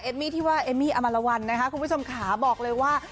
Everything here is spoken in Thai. มี่ที่ว่าเอมมี่อมรวัลนะคะคุณผู้ชมขาบอกเลยว่า